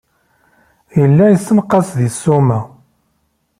Yella yessenqas deg ssuma.